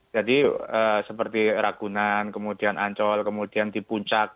seperti ragunan kemudian ancol kemudian di puncak